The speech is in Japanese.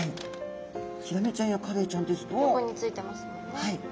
はい。